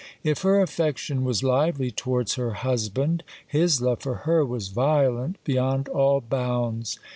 If her affection was lively towards her husband, his love for her was violent beyond all bounds.